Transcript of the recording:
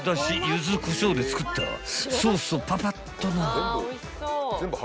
ゆずこしょうで作ったソースをパパッとな］